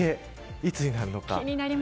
いつになるのか。